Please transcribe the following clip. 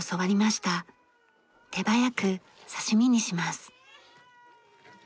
手早く刺し身にします。